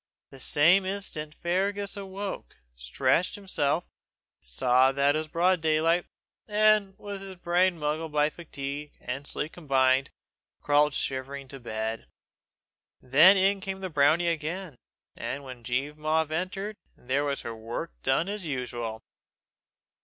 The same instant Fergus woke, stretched himself, saw it was broad daylight, and, with his brain muddled by fatigue and sleep combined, crawled shivering to bed. Then in came the brownie again; and when Jean Mavor entered, there was her work done as usual.